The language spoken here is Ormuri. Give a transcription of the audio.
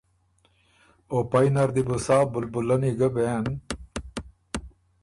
او پئ نر دی بو سا بُلبُلنی ګه بېن